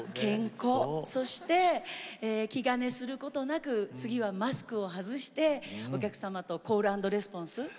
そして気兼ねすることなく次はマスクを外してお客様とコールアンドレスポンス